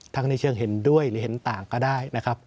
ในเชิงเห็นด้วยหรือเห็นต่างก็ได้นะครับ